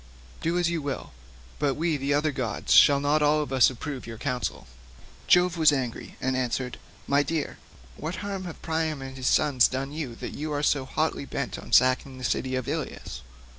Do as you will, but we other gods shall not all of us approve your counsel." Jove was angry and answered, "My dear, what harm have Priam and his sons done you that you are so hotly bent on sacking the city of Ilius?